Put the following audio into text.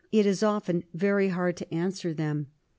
It is often very hard to answer them.